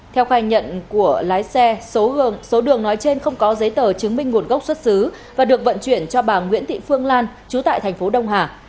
theo khai nhận của lái xe số hương số đường nói trên không có giấy tờ chứng minh nguồn gốc xuất xứ và được vận chuyển cho bà nguyễn thị phương lan chú tại thành phố đông hà